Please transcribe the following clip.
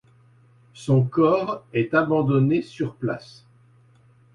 Son corps est abandonné sur place.